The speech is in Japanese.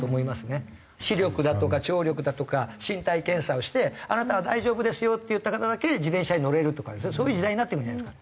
視力だとか聴力だとか身体検査をしてあなたは大丈夫ですよっていった方だけ自転車に乗れるとかそういう時代になってくるんじゃないですか。